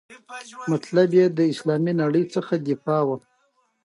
مطلب یې د اسلامي نړۍ څخه دفاع وه.